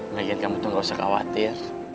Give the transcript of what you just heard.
mikir kamu tuh gak usah khawatir